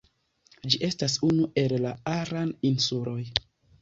Ĝi estas unu el la Aran-insuloj.